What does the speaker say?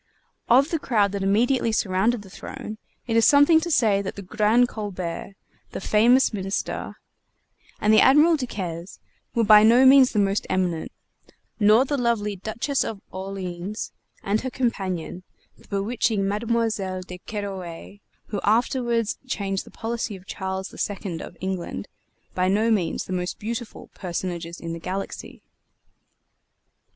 Of the crowd that immediately surrounded the throne, it is something to say that the Grand Colbert, the famous Minister, and the Admiral Duquesne were by no means the most eminent, nor the lovely Duchess of Orleans and her companion, the bewitching Mademoiselle de Kerouaille, who afterward changed the policy of Charles II, of England, by no means the most beautiful personages in the galaxy.